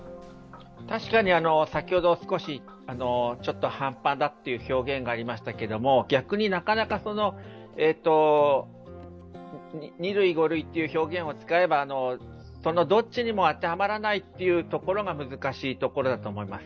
確かに先ほど少し半端だという表現がありましたけれども、逆になかなか２類、５類という表現を使えばそのどっちにも当てはまらないというところが難しいところだと思います。